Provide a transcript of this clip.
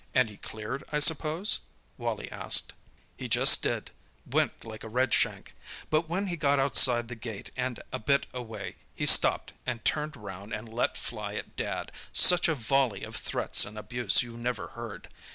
"And he cleared, I suppose?" Wally asked. "He just did—went like a redshank. But when he got outside the gate and a bit away he stopped and turned round and let fly at Dad—such a volley of threats and abuse you never heard.